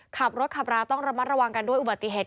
ขับรถขับราต้องระมัดระวังกันด้วยอุบัติเหตุ